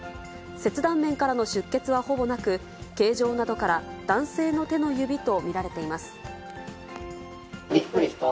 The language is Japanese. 切断面からの出血はほぼなく、形状などから、男性の手の指と見びっくりした。